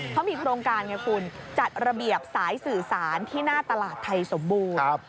เขามีโครงการไงคุณจัดระเบียบสายสื่อสารที่หน้าตลาดไทยสมบูรณ์